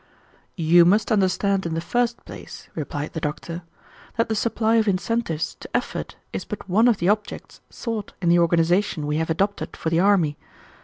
"You must understand in the first place," replied the doctor, "that the supply of incentives to effort is but one of the objects sought in the organization we have adopted for the army.